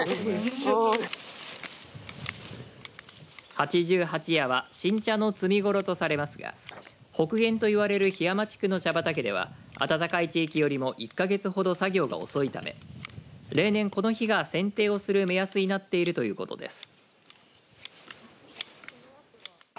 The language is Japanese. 八十八夜は新茶の摘み頃とされますが北限といわれる檜山地区の茶畑では暖かい地域よりも１か月ほど作業が遅いため例年この日が、せんていをする目安になっていると言うことです。